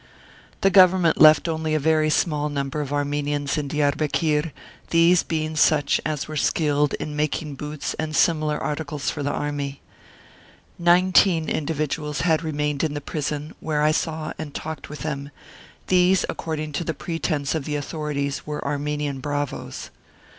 The Government left only a very small number of Armenians in Diarbekir, these being such as were skilled in making boots and similar articles for the army. Nineteen individuals had remained in the prison, where I saw and talked with them; these, according to the pretence of the authorities, were Armenian bravoes.